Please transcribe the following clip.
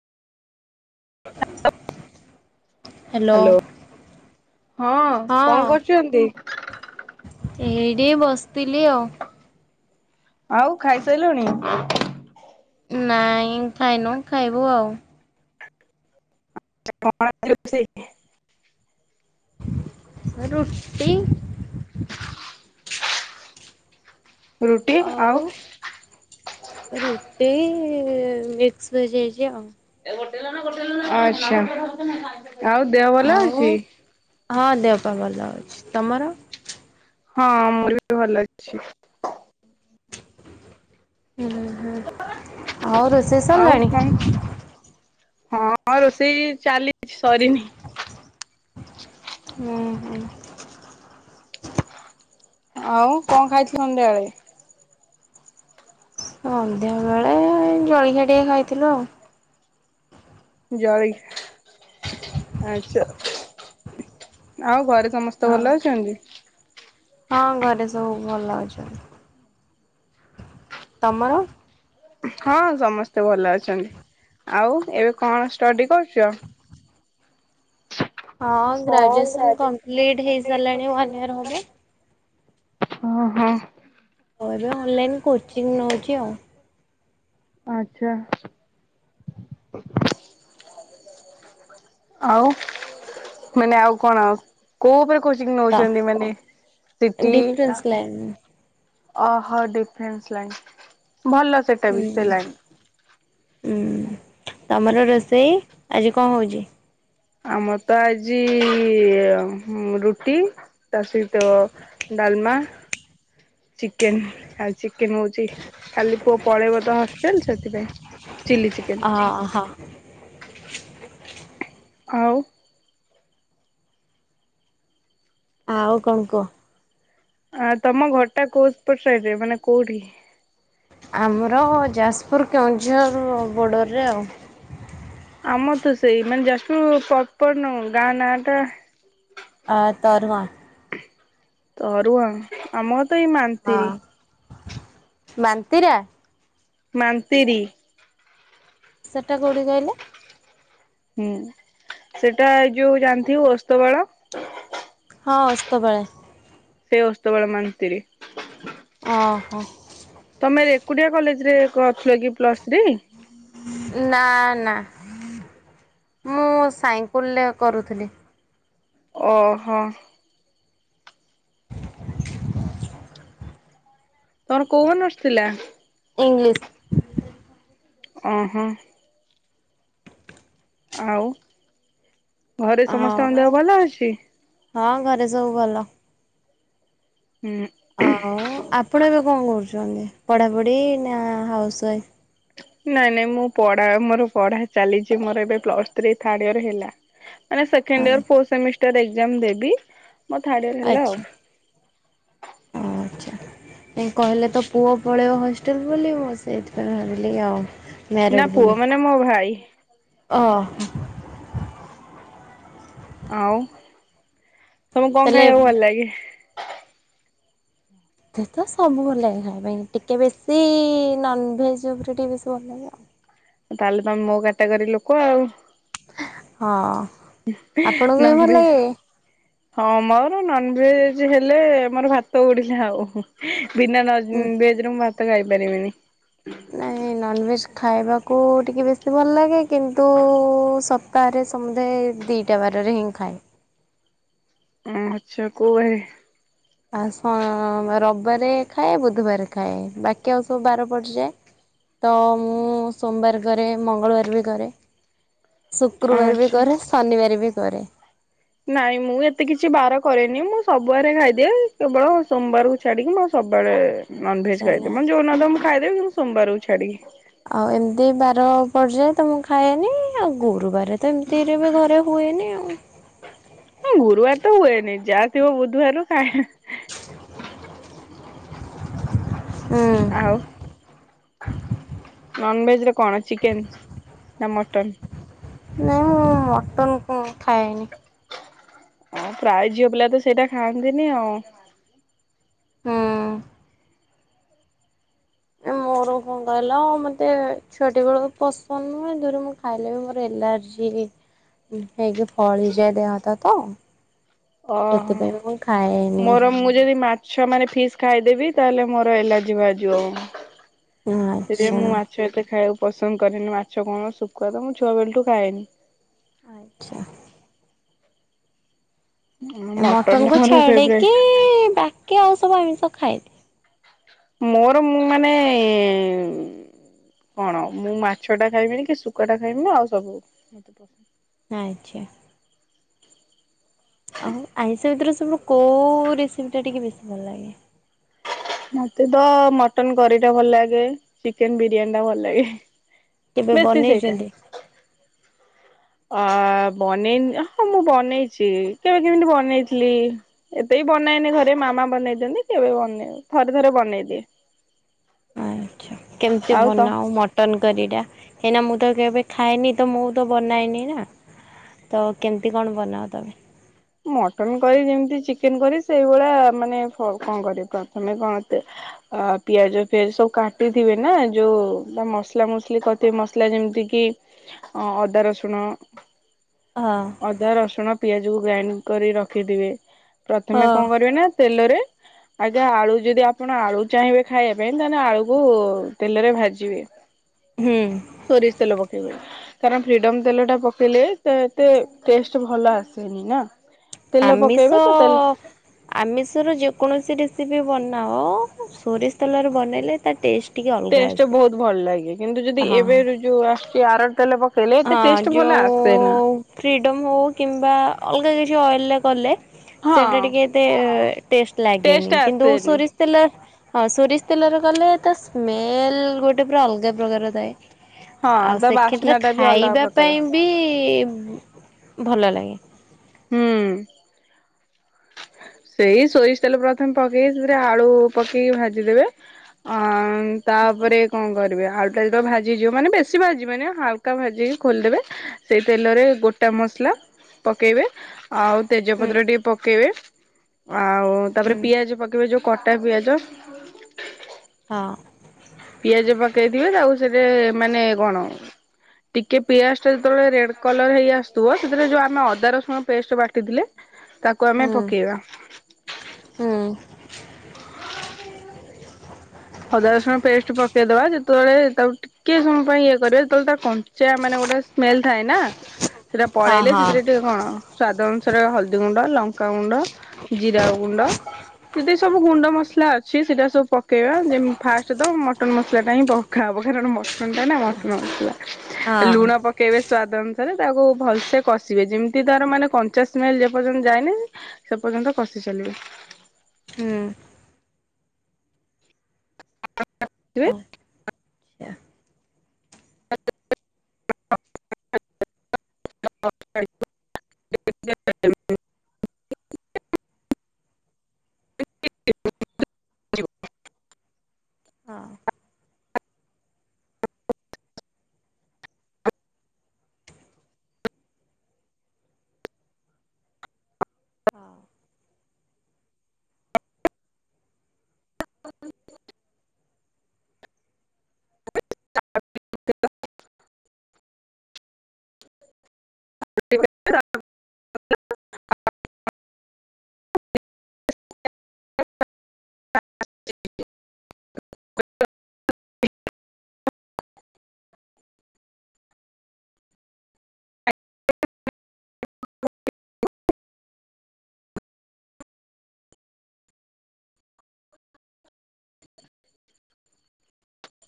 Hello ହଁ କଣ କରୁଛନ୍ତି? ଏଇଠି ବସିଥିଲି ଆଉ। ଆଉ ଖାଇସାଇଲୁଣି? ନାଇଁ ଖାଇନୁ ଖାଇବୁ ଆଉ। କଣ ସେ ରୁଟି ଆଉ ରୁଟି ମିକ୍ସିଭେଜ ହେଇଚି ଆଉ। ଆଚ୍ଛା ଆଉ ଦେହ ଭଲ ଆଉ ଅଛି? ହଁ ଦେହ ପା ଭଲ ଅଛି। ତମର? ହଁ ମୋର ବି ଭଲ ଅଛି। ହୁଁ ହୁଁ ଆଉ ରୋଷେଇ ଆଉ କଣ ସାରିଲାଣି? ହଁ ରୋଷେଇ ଚାଲିଛି ସରିନି। ହୁଁ ହୁଁ। ଆଉ କଣ ଖାଇଥିଲ ସନ୍ଧ୍ୟା ବେଳେ? ସନ୍ଧ୍ୟା ବେଳେ ଜଳଖିଆ ଟିକେ ଖାଇଥିଲୁ ଆଉ। ଜଳି ଆଚ୍ଛା ଆଉ ଘରେ ସମସ୍ତେ ହଁ ଭଲ ଅଛନ୍ତି? ହଁ ଘରେ ସବୁ ଭଲ ଅଛନ୍ତି। ତମର? ହଁ ସମସ୍ତେ ଭଲ ଅଛନ୍ତି ଆଉ ଏବେ କଣ ଷ୍ଟଡ଼ି କରୁଛ? ହଁ ଗ୍ରାଜୁଏସନ କମ୍ପ୍ଲିଟ ହେଇସାରିଲାଣି ୱାନ ଇୟର ହେବ। ହଁ ହଁ। ସରିବ ହେଲେ ମୁଁ କୋଚିଂ ଯାଉଛି ଆଉ। ଆଚ୍ଛା। ଆଉ ମାନେ ଆଉ କଣ କୋଉ ଉପରେ କୋଚିଂ ତ ନୋଉଛନ୍ତି ମାନେ ସିଟି ଡିଫରେନ୍ସ ଲାଇନ୍ ଓହୋ ଡିଫେନ୍ସ ଲାଇନ୍ ଭଲ ସେଟା ବି ହୁଁ ସେ ଲାଇନ୍ ହୁଁ ତମର ରୋଷେଇ ଆଜି କଣ ହୋଉଛି? ଆମର ତ ଆଜି ରୁଟି ଟା ସହିତ ଡାଲମା ଚିକେନ ଆଉ ଚିକେନ ହୋଉଛି କାଲି ପୁଅ ପଳେଇବ ତ ହଷ୍ଟେଲ ସେଥିପାଇଁ। ଚିଲି ଚିକେନ ଅହ। ଆଉ ଆଉ କଣ କୁହ? ଆ ତମ ଘରଟା କୋପଟ ସାଇଡରେ ମାନେ କୋଉଠି? ଆମର ଯାଜପୁର କେଉଁଝର ବୋର୍ଡ଼ରରେ ଆଉ। ଆମ ତ ସେଇ ମାନେ ଯାଜପୁର ପପର ନୁହୁଁ ଗାଁ ନାଁ ଟା ଆତରୁଆ ତରୁଆ ଆମ ତ ଏଇ ମାନ୍ତିର। ମାନ୍ତିରା? ମାନ୍ତିରି। ସେଟା କୋଉଠି କହିଲେ? ହୁଁ ସେଟା ଏ ଯୋଉ ଜାଣିଥିବେ ଓସ୍ତିପାଳ? ହଁ ଓସ୍ତପାଳ। ଓସ୍ତପାଳ ମନ୍ତିରୀ। ହଁ ହଁ। ତମେ ରେକୁଟିଆ କଲେଜ ରେ କରିଥିଲ କି ପ୍ଲସ ଥ୍ରୀ। ନା ନା। ମୁଁ ସାଇଙ୍କୁଲରେ କରୁଥିଲି। ଓହୋ। [inaudible] ତମର କୋଉ ଅନର୍ଷ ଥିଲା? ଇଂଲିଶ। ଓ ହୋ। ଆଉ ଘରେ ସମସ୍ତଙ୍କ ଆଉ ଦେହ ଭଲ ଅଛି? ହଁ ଘରେ ସବୁ ଭଲ। ହୁଁ। ଆଉ ଆପଣ ଏବେ କଣ କରୁଚନ୍ତି ପଢାପଢି ନା ହାଉସ ୱା ନାଇଁ ନାଇଁ ମୁଁ ପ ମୋର ପଢା ଚାଲିଚି ମୋର ଏବେ ପ୍ଲସ ଥ୍ରୀ ଥାଡ ଇୟର ହେଲା। ମାନେ second year four semester exam ଦେବୀ ମୋର ଥାଡ୍ ଇୟର ହେଲା ଆଉ। ଓ। କହିଲେ ତ ପୁଅ ପଳେଇବ ହଷ୍ଟେଲ ବୋଲି ମୁଁ ସେଇଥିପାଇଁ ଭାବିଲି ଆଉ। ନା ପୁଅ ମାନେ ମୋ ଭାଇ। ଓ। ଆଉ ତମକୁ କଣ ତାହେଲେ ଖାଇବାକୁ ଭଲ ଲାଗେ? ଏତେ ତ ସବୁ ଭଲ ଲାଗେ ଖାଇବା ପାଇଁ, ଟିକେ ବେଶୀ ନନଭେଜ୍ ଉପରେ ଟିକେ ବେଶୀ ଭଲ ଲାଗେ ଆଉ। ତାହେଲେ ତମେ ମୋ କାଟାଗୋରୀ ଲୋକ ଆଉ। ହଁ ଆପଣଙ୍କୁ ବି ନନ ଭଲ ଭେଜ ଲାଗେ? ହଁ ମୋର ନନଭେଜ ହେଲେ ଆମର ଭାତ ଉଡିଲା ଆଉ ବିନା ଭେଜରେ ମୁ ଭାତ ଖାଇ ପାରିବିନି। ନାଇଁ ନନଭେଜ ଖାଇବାକୁ ଟିକେ ବେଶୀ ଭଲ ଲାଗେ, କିନ୍ତୁ ସ ତାହରେ ସମୁଦାଏ ଦିଇଟା ବାରରେ ହିଁ ଖାଏ। ଆଚ୍ଛା କୋଉ ବାରେ? ଆ ସୋ ରବିବାରେ ଖାଏ ବୁଧବାର ଖାଏ ବାକି ଆଉ ସବୁ ବାର ପଡିଯାଏ। ତ ମୁଁ ସୋମବାର କରେ ମଙ୍ଗଳବାର ବି କରେ। ଶୁକ୍ରବାର ବି ଆଚ୍ଛା। କରେ ଶନିବାର ବି କରେ। ନାଇଁ ମୁଁ ଏତେ କିଛି ବାର କରେନି, ମୁଁ ସବୁବାରେ ଖାଇଦିଏ କେବଳ ସୋମବାରକୁ ଛାଡିକି ମ ସ ସବୁବେଳେ ନଭେଜ ଆଚ୍ଛା ନାଇଁ। ଖାଇଦେବ ଯୋଉ [unintelligible] ମୁ ଖାଇଦବି କିନ୍ତୁ ସୋମବାରକୁ ଛାଡିକି। ଆଉ ଏମିତି ବାର ପର୍ଯୟ ତ ମୁଁ ଖାଏନି ଆଉ ଗୁରୁବାର ଏ ଏମିତିରେ ବି ଘରେ ହୁଏନି ଆଉ। ହଁ ଗୁରୁବାର ତ ହୁଏନି ଯାହା ଥିବ ବୁଧବାରରୁ କାଁ ହୁଁ ଆଉ ନନ‌ଭେଜ୍ କଣ ଚିକେନ ନା ମଟନ? ନାଇଁ ମୁଁ ମଟନ କଣ ଖାଏନି। ଆଉ ପ୍ରାୟେ ଝିଅ ପିଲା ତ ସେଇଟା ଖାଆନ୍ତିନି ଆଉ। ହୁଁ। ହ ମୋର ଥିଲା ଆଉ ମତେ ଛୁଆଟି ବେଳକୁ ପସନ୍ଦ ନୁହେଁ ଧୁଇରେ ମୋର ମୁ ଖାଇଲେ ବି ମୋର ଏଲାର୍ଜି ହେଇକି ଫଳି ହେଇଯାଏ ଦେହଟା ତ। ଓହୋ ସେଥିପାଇଁ ମୁଁ ଖାଏନି। ମୋର ମୁଁ ଯଦି ମାଛ ମାନେ ଫିସ୍ ଖାଇଦେବି ତାହେଲେ ମୋର ଏଲାର୍ଜି ବାହାରଯିବ ଆଉ ଆଚ୍ଛା ସେଥିପାଇ ମୁଁ ମାଛ ଏତେ ଖାଇବାକୁ ପସନ୍ଦ କରେନି ମାଛ କଣ ଶୁଖୁଆ ତ ମୁଁ ଛୁଆବେଳଠୁ ଖାଏନି। ଆଚ୍ଛା। ମଟନ୍ ମଟନ କୁ ଟା ମୋର ଛାଡେକି ଫେବରାଇଟ୍ ବାକି ଆଉ ସବୁ ଆମିଷ ଖାଏ। ମୋର ମୁଁ ମାନେ ଏ କଣ ମୁଁ ମାଛ ଟା ଖାଇବିିନି କି ଶୁଖୁଆ ଟା ଖାଇବିନି ଆଉ ସବୁ ଆଚ୍ଛା। ଆଉ ଆଇଁଷ ଭିତରୁ ସବ କୋଉଁ ରେସିପିଟା ଟିକେ ବେଶୀ ଭଲ ଲାଗେ? ମତେ ତ ମଟନ କରି ଟା ଭଲ ଲାଗେ ଚିକେନ ବିରିୟାନୀ ଟା ଭଲ ଲାଗେ। କେବେ ବେଶୀ ସେଇଟା। ବନେଇଛନ୍ତି? ଅ ବନେଇନ ହଁ ମୁଁ ବନେଇଛି କେବେ କେମିତି ବନେଇଥିଲି ଏବେ ବନାଇନି ଘରେ ମାମା ବନେଇ ଦିଅନ୍ତି କେବେ ବନେଇ ଥରେ ଥରେ ବନେଇଦିଏ। କେମତି ଆଉ ତ ବନାଉ ମଟନ୍? କରିଟା ହେଇନା ମୁଁ ତ କେବେ ଖାଏନି ତ ମୁଁ ତ ବନାଏନି ନା। ତ କେମିତି କଣ ବନାଅ ତମେ? ମଟନ କରି ଯେମିତି ଚିକେନ କରି ସେଇଭଳିଆ ମାନେ କଣ କରି ତମେ କଣ ଆ ପିଆଜ ଫିଆଜ ସବୁ କାଟିଥିବେ ନା ଯୋଉ ତା ମସଲା ମସଲି କରିିବେ ମସଲା ଯେମିତି ଅଦା, ରସୁଣ ହଁ ଅଦା, ରସୁଣ, ପିଆଜକୁ ଗ୍ରାଇଣ୍ଡ କରି ରଖିଦିବେ। ପ୍ରଥମେ ହଁ କଣ କରିବେ ନା ତେଲରେ ଆଜ୍ଞା ଆଳୁ ଯଦି ଆପଣ ଆଳୁ ଚାହିଁବେ ଖାଇବା ପାଇଁ ତାହେଲେ ଆଳୁକୁ ତେଲରେ ଭାଜିବେ। ହୁଁ ସୋରିଷ ତେଲ ପକେଇବେ। କାରଣ ଫ୍ରିଡ଼ମ ତେଲଟା ପକେଇଲେ ତ ଏତେ ଟେଷ୍ଟ ଭଲ ଆସେନି ନା। ତେଲ ପକେଇବେ ଆମିଷ ତ ତେଲ ଆମିଷ ର ଯେକୌଣସି ରେସିପି ବାନଓ ସୋରିଷ ତେଲରେ ବନେଇଲେ ତା ଟେଷ୍ଟ। ଟିକେ ଅଲଗା ଟେଷ୍ଟ ଆସେ। ବହୁତ ଭଲ ଲାଗେ କିନ୍ତୁ ଯଦି ହଁ ଏବେଏବେ ଯୋଉ ଆସୁଛି ଆର ତେଲ। ପକେଇଲେ ଏତେ ହଁ ଟେଷ୍ଟ ଭଲ ଆସେନି। ଯୋଉ ଫ୍ରିଡମ ହଉ କିମ୍ବା ଅଲଗା କିଛି ଅଇଲ କଲେ। ହଁ ସେଟା ଟିକେ ଏତେ ଟେଷ୍ଟ ଲାଗେନି କିନ୍ତୁ ସୋରିଷ ତେଲ। ହଁ ସୋରିଷ ତେଲରେ ଗଲେ ତା ସ୍ମେଲ ଗୋଟେ ପୁରା ଅଲଗା ପ୍ରକାର ଥାଏ। ହଁ ଆଉ ତା ସେକ୍ଷେତ୍ରରେ ବାସ୍ନା ଟା ବି ଅଲଗା ଖାଇବା ପ୍ରକାର ପାଇଁ ବି ଭଲ ଲାଗେ। ହୁଁ। ସେଇ ସୋରିଷ ତେଲ ପ୍ରଥମେ ପକେଇକି ସେଥିରେ ଆଳୁ ପକେଇକି ଭାଜିଦେବେ ଅ ତାପରେ କଣ କରିବେ? ଆଳୁ ଟା ଯେତବେଳେ ଭାଜିହଇଯିବ ମାନେ ବେଶୀ ଭାଜିବେନି ହାଲକା ଭାଜି ଖୋଲିଦେବେ। ସେଇ ତେଲରେ ଗୋଟା। ମସଲା ପକାଇବେ। ଆଉ ହୁଁ। ତେଜପତ୍ର ଟିକେ ପକେଇବେ। ଆଉ ହୁଁ ତାପରେ ପିଆଜ ପକେଇବେ ଯେଉଁ କଟା ପିଆଜ ହଁ। ପିଆଜ ପକେଇଥିବେ ତାକୁ ସେଠି ମାନେ କଣ? ଟିକେ ପିଆଜ ଟା ଯେତେବେଳେ ରେଡ କଲର ହେଇ ଆସୁଥିବ ସେରେ ଯୋଉ ଆମେ ଅଦା ରସୁଣ ପେଷ୍ଟ ବାଟିଥିଲେ ତାକୁ ଆମେ ହୁଁ ପକେଇବା। ହୁଁ [inaudible] ଅଦା ରସୁଣ ପେଷ୍ଟ ପକେଇଦବା ଯେତେବେଳେ ତାକୁ ଟିକେ ଇଏ କରିବା ଯେତେବେଳେ ତା କଞ୍ଚା ମାନେ ଗୋଟେ ସ୍ମେଲ ଥାଏ ନା ସେଟା ହଁ ପଳେଇଲେ ହଁ ସେଥିରେ ଟିକେ କଣ ସ୍ୱାଦ ଅନୁସାରେ ହଳଦୀ ଗୁଣ୍ଡ, ଲଙ୍କା ଗୁଣ୍ଡ, ଜିରା ଗୁଣ୍ଡ, ଯେତେ ସବୁ ଗୁଣ୍ଡ ମସଲା ଅଛି ସେଇଟା ସବୁ ପକେଇବା। ଯେତି ଫାଷ୍ଟ ତ ମଟନ୍ ମସଲାଟା ହିଁ ପକା ହବ କାରଣ ନା ମଟନ୍ ହଁ ମସଲାଉ ଲୁଣ ପକେଇବେ ସ୍ଵାଦ ତାକୁ ଭଲସେ କସିବେ ଯେମିତି ତାର ମାନେ ପଚାଶ ମାଇଲ ଯେ ପର୍ଯ୍ୟନ୍ତ ଯାଇନି ସେ ପର୍ଯ୍ୟନ୍ତ କଷିବେ। ଚାଲିବ। ହୁଁ। [inaudible] ସିବେ। ଆଚ୍ଛା [inaudible] [inaudible] [inaudible] ଆଉ। ହ। [inaudible] ଚୁଟି କାଟିବେ ତାପରେ। [inaudible] [inaudible]